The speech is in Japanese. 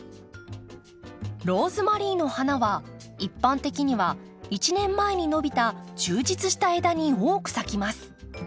ローズマリーの花は一般的には１年前に伸びた充実した枝に多く咲きます。